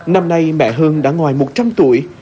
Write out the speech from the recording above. năm nay mẹ hương đã ngoài một trăm linh tuổi